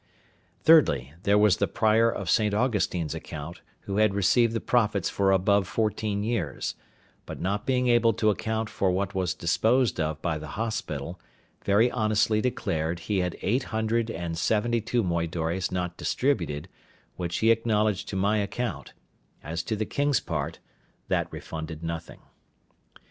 Thirdly, there was the Prior of St. Augustine's account, who had received the profits for above fourteen years; but not being able to account for what was disposed of by the hospital, very honestly declared he had eight hundred and seventy two moidores not distributed, which he acknowledged to my account: as to the king's part, that refunded nothing.